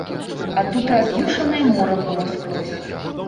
А тут раз'юшанае мора было скрозь.